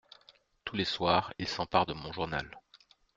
Tous les soirs, il s’empare de mon journal…